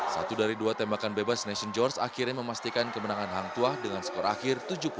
satu dari dua tembakan bebas nashon george akhirnya memastikan kemenangan hangtua dengan skor akhir tujuh puluh enam tujuh puluh empat